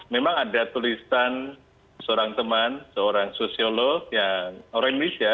memang ada tulisan seorang teman seorang sosiolog yang orang indonesia